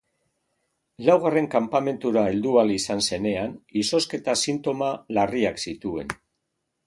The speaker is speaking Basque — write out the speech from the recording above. Laugarren kanpamentura heldu ahal izan zenean izozketa-sintoma larriak zituen.